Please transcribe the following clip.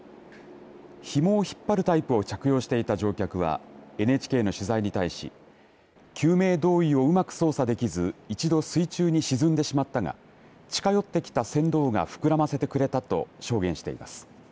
ひもを引っ張るタイプを着用していた乗客はＮＨＫの取材に対し救命胴衣をうまく操作できず一度水中に沈んでしまったが近寄ってきた船頭が膨らませてくれたと証言しています。